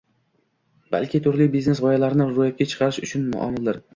balki turli biznes-g‘oyalarni ro‘yobga chiqarish uchun omildir.